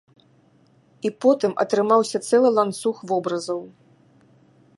І потым атрымаўся цэлы ланцуг вобразаў.